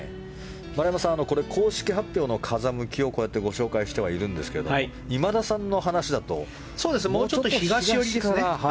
丸山さん公式発表の風向きをこうやってご紹介してはいるんですが今田さんの話だともうちょっと東から。